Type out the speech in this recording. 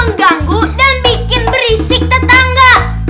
mengganggu dan bikin berisik tetangga